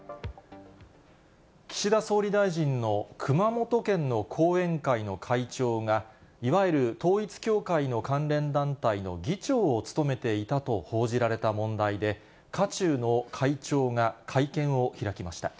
岸田総理大臣の熊本県の後援会の会長が、いわゆる統一教会の関連団体の議長を務めていたと報じられた問題で、渦中の会長が会見を開きました。